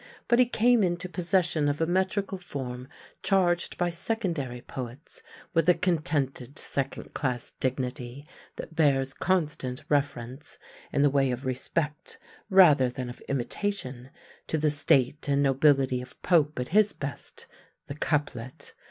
But he came into possession of a metrical form charged by secondary poets with a contented second class dignity that bears constant reference, in the way of respect rather than of imitation, to the state and nobility of Pope at his best the couplet.